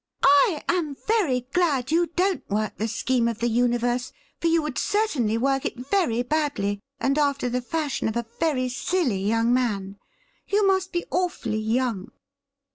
' I am very glad you don't work the scheme of the universe, for you would certainly work it very badly, and after the fashion of a very silly young man. You must be awfully young.'